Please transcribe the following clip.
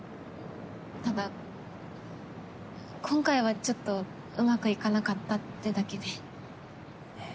ただ今回はちょっとうまくいかなかったってだけで。